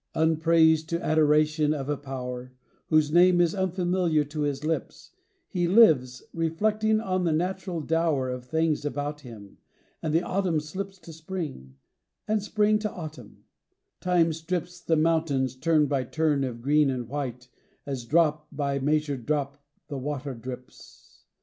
CHRISTMAS EVE. 7 VIII. Upraised to adoration of a Power, Whose name is unfamiliar to his lips, He lives, reflecting on the natural dower Of things about him. And the autumn slips To spring, and spring to autumn; time strips The mountains turn by turn of green and white, As drop by measured drop the water drips.